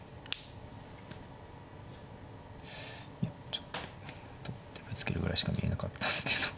ちょっと取ってぶつけるぐらいしか見えなかったんですけど。